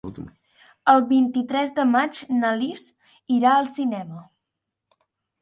El vint-i-tres de maig na Lis irà al cinema.